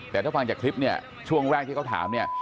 แต่ถ้าฟังจากคลิปช่วงแรกที่เขาถาม